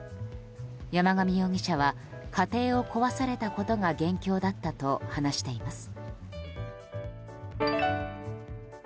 山上容疑者は家庭を壊されたことが元凶だったと話しています。